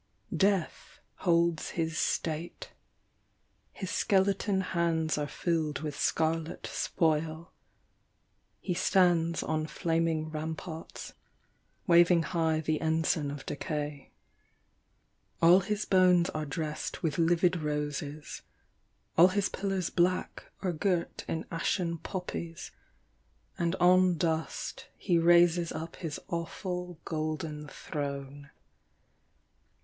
Death holds his state : Ihs skeleton hands ;irr filled with starlet spoil: He stands on flaming ramparts, waving high The ensign of decay. All his bones are dre^ With livid roses; all his pillars black \t< girt in ashen poppies, and on dust He raises up bis awful golden throne.